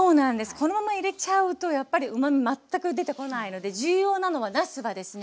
このまま入れちゃうとやっぱりうまみ全く出てこないので重要なのはなすがですね